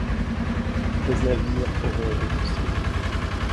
Seize navires auront été construits.